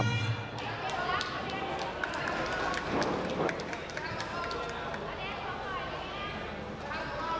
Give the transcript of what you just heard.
หมั้นนะคะต้องให้อุณหภาพแล้วนะครับ